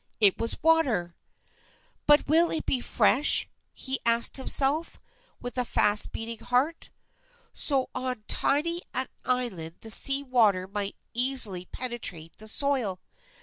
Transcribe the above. It was water! "But will it be fresh?" he asked himself, with fast beating heart. On so tiny an island the sea water might easily penetrate the soil.